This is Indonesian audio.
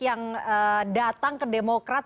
yang datang ke demokrat